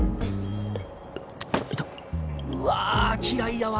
痛っうわ嫌いやわ